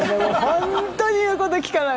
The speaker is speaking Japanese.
本当に言うこと聞かない！